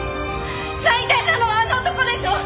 最低なのはあの男でしょ？